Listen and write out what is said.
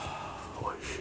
おいしい。